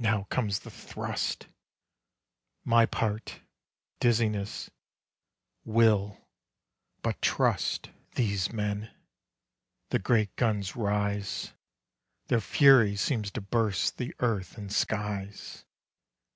Now comes the thrust! My part ... dizziness ... will ... but trust These men. The great guns rise; Their fury seems to burst the earth and skies!